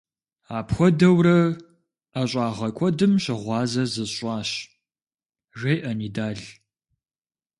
- Апхуэдэурэ ӀэщӀагъэ куэдым щыгъуазэ зысщӀащ, - жеӀэ Нидал.